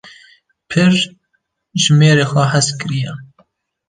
Pir ji mêrê xwe hez kiriye.